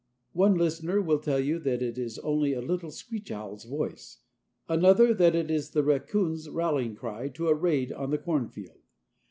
One listener will tell you that it is only a little screech owl's voice, another that it is the raccoon's rallying cry to a raid on the cornfield.